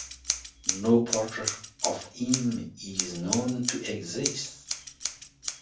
No portrait of him is known to exist.